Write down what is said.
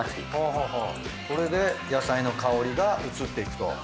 これで野菜の香りが移っていくと。